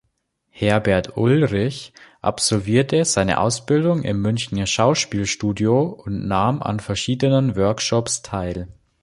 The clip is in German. Herbert Ulrich absolvierte seine Ausbildung im Münchner Schauspielstudio und nahm an verschiedenen Workshops teil.